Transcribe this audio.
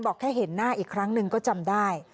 บอกแค่เห็นหน้าอีกครั้งหนึ่งก็จำได้